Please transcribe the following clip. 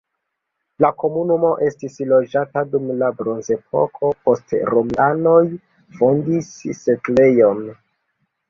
La komunumo estis loĝata dum la bronzepoko, poste romianoj fondis setlejon.